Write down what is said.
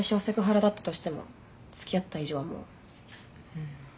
うん。